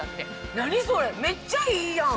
何それめっちゃいいやん。